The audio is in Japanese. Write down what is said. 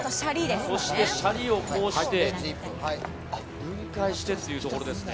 シャリをこうして分解してというところですね。